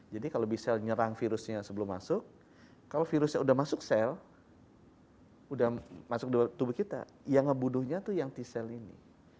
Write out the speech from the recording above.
jadi kalau b cell nyerang virusnya sebelum masuk kalau virusnya udah masuk cell udah masuk ke tubuh kita yang ngebunuhnya tuh yang t cell ini